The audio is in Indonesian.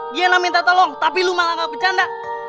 dialah minta tolong tapi lu malah gak bercanda